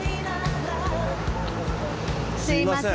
すいません。